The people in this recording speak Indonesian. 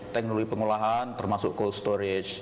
teknologi pengolahan termasuk cold storage